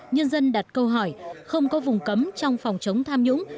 nhân dân đặt câu hỏi không có vùng cấm trong phòng chống tham nhũng